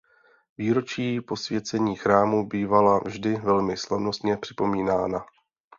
Výročí posvěcení chrámu bývala vždy velmi slavnostně připomínána.